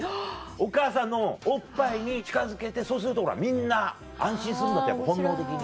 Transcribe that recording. お母さんのおっぱいに近づけてそうするとほらみんな安心するんだって本能的に。